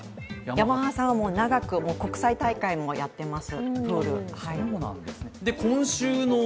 ヤマハさんは長く国際大会もやっています。